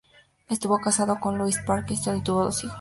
Estuvo casado con Louise Parkinson y tuvo dos hijos.